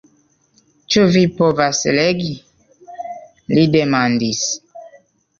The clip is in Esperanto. Ĉu vi povas legi? li demandis.